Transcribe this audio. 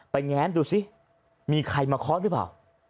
ไปแอนดูสิมีใครมาคอลด้วยหรือเปล่า